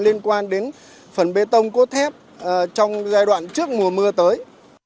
liên quan đến phần bê tông cốt thép trong giai đoạn trước mùa mưa tới